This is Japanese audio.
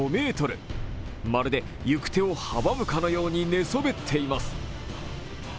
まるで、行く手を阻むかのように寝そべっています。